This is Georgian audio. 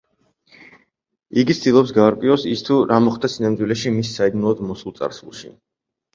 იგი ცდილობს გაარკვიოს, ის თუ რა მოხდა სინამდვილეში მის საიდუმლოდ მოცულ წარსულში.